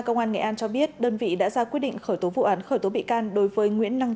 công an nghệ an cho biết đơn vị đã ra quyết định khởi tố vụ án khởi tố bị can đối với nguyễn năng